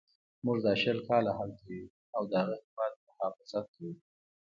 موږ دا شل کاله هلته یو او د هغه هیواد مخافظت کوو.